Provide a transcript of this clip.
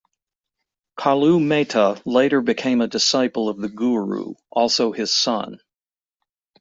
Kalu Mehta later became a disciple of the Guru, also his son.